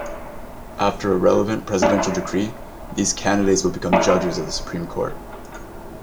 After a relevant presidential decree, these candidates will become judges of the Supreme Court.